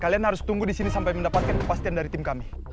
kalian harus tunggu di sini sampai mendapatkan kepastian dari tim kami